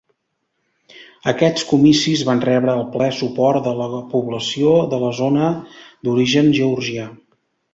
Aquests comicis van rebre el ple suport de la població de la zona d'origen georgià.